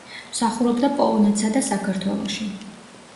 მსახურობდა პოლონეთსა და საქართველოში.